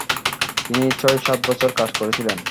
তিনি ছয়-সাত বছর কাজ করেছিলেন ।